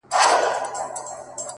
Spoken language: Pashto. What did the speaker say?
زما د زنده گۍ له هر يو درده سره مله وه’